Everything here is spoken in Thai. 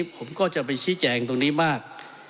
ผมก็จะไปชี้แจงตรงนี้มาก